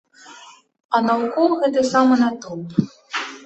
А наўкол гэты самы натоўп.